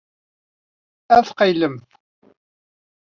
Ad tqeyylemt.